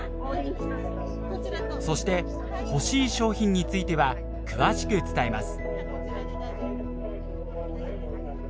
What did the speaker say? そして欲しい商品については詳しく伝えます。